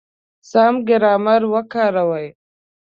سم ګرامر وکاروئ!.